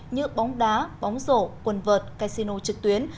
như bóng đá bóng rổ quần vợt casino trực tuyến